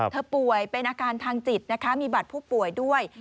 ป่วยเป็นอาการทางจิตนะคะมีบัตรผู้ป่วยด้วย